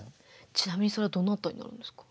ちなみにそれはどなたになるんですか？